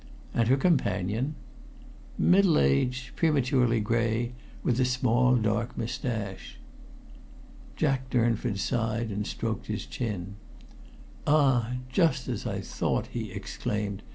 "And her companion?" "Middle aged, prematurely gray, with a small dark mustache." Jack Durnford sighed and stroked his chin. "Ah! Just as I thought," he exclaimed.